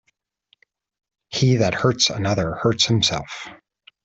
He that hurts another, hurts himself.